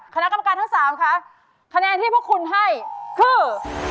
คณะกรรมการทั้ง๓ค่ะคะแนนที่พวกคุณให้คือ